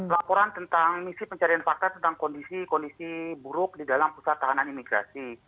laporan tentang misi pencarian fakta tentang kondisi kondisi buruk di dalam pusat tahanan imigrasi